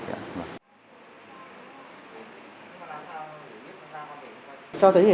còn làm sao để giúp chúng ta có thể